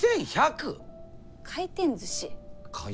回転ずし。